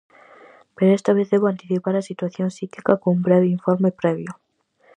Pero esta vez debo anticipar a situación psíquica cun breve informe previo.